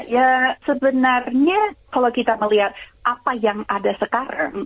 ya sebenarnya kalau kita melihat apa yang ada sekarang